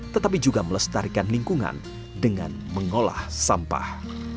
tetapi juga melestarikan lingkungan dengan mengolah sampah